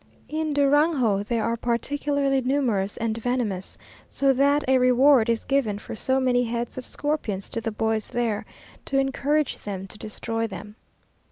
In Durango they are particularly numerous and venomous, so that a reward in given for so many head of scorpions to the boys there, to encourage them to destroy them.